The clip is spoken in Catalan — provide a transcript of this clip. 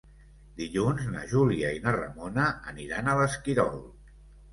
Dilluns na Júlia i na Ramona aniran a l'Esquirol.